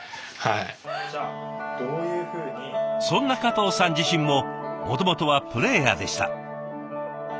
そんな加藤さん自身ももともとはプレーヤーでした。